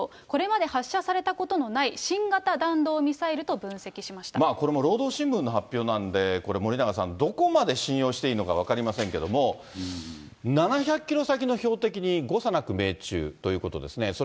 これまで発射されたことのない新型弾道ミサイルと分これも労働新聞の発表なんで、これ、森永さん、どこまで信用していいのか分かりませんけれども、７００キロ先の標的に誤差なく命中ということですね。